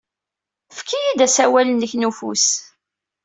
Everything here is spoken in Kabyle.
Efk-iyi-d asawal-nnek n ufus.